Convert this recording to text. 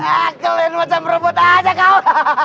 eh kalian macam robot aja kaw